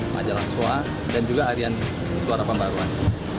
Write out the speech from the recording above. majalah swa dan juga harian suara pembaruan